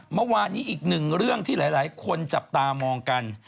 เมื่อวานนี้อีกหนึ่งเรื่องที่หลายคนจับตามองกัน